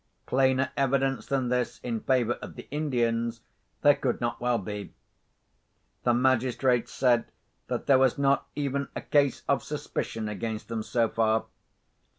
Plainer evidence than this, in favour of the Indians, there could not well be. The magistrate said there was not even a case of suspicion against them so far.